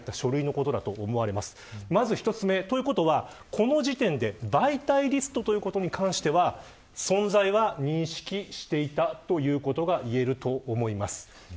この時点で、媒体リストということに関しては存在は認識していたということが言えると思います。